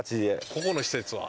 ここの施設は？